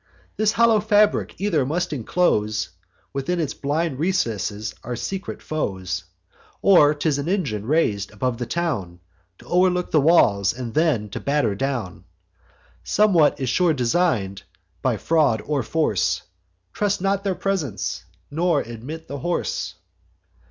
This hollow fabric either must inclose, Within its blind recess, our secret foes; Or 'tis an engine rais'd above the town, T' o'erlook the walls, and then to batter down. Somewhat is sure design'd, by fraud or force: Trust not their presents, nor admit the horse.